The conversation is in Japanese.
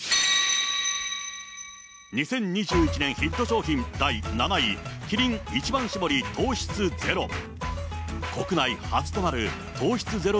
２０２１年ヒット商品第７位、キリン一番搾り糖質ゼロ。